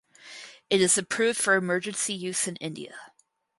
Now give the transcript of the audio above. It is approved for emergency use in India.